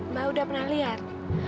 mbak udah pernah lihat